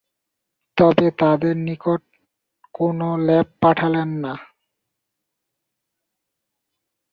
তবে তাদের নিকট কোন লেপ পাঠালেন না।